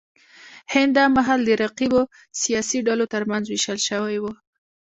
هند دا مهال د رقیبو سیاسي ډلو ترمنځ وېشل شوی و.